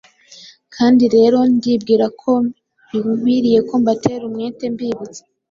Kandi rero ndibwira ko binkwiriye ko mbatera umwete mbibutsa,